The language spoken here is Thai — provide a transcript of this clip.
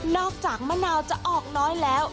จากมะนาวจะออกน้อยแล้ว